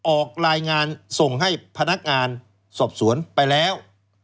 ออกรายงานส่งให้พนักงานสอบสวนไปแล้ว